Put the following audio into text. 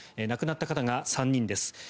亡くなった方が３人です。